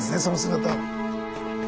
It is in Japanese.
その姿を。